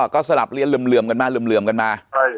ก็สลับเรียนเหลือมกันมา